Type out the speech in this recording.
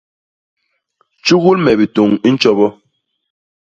Tjugul me bitôñ i ntjobo.